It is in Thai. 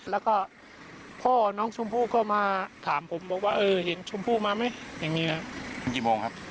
แล้วก็พ่อน้องชมพู่ก็มาถามผมบอกว่าเห็นชมพู่มาไหม